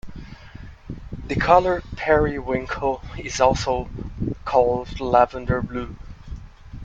The color periwinkle is also called lavender blue.